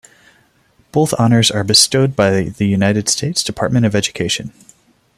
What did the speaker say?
Both honors are bestowed by the United States Department of Education.